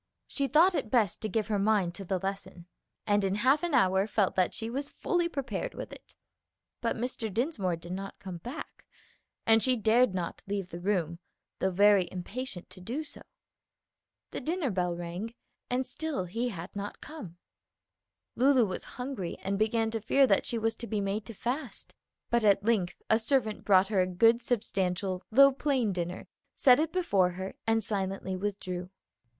She thought it best to give her mind to the lesson, and in half an hour felt that she was fully prepared with it. But Mr. Dinsmore did not come back, and she dared not leave the room, though very impatient to do so. The dinner bell rang, and still he had not come. Lulu was hungry and began to fear that she was to be made to fast; but at length a servant brought her a good, substantial, though plain dinner, set it before her, and silently withdrew.